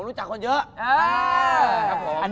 ผมรู้จักคนเยอะ